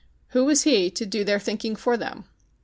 Who was he to do their thinking for them